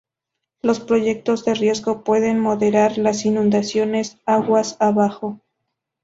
Los proyectos de riego pueden moderar las inundaciones, aguas abajo.